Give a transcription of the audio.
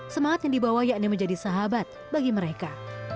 semangat yang dibawa yakni menjadi sahabat bagi mereka